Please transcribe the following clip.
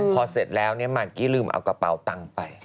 พอเสร็จแล้วมากกี้ลืมเอากระเป๋าตังค์ไป